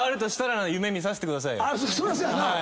そりゃそうやな。